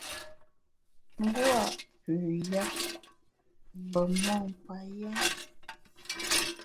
M’bua’ pü ya mbe mon kpa yèn.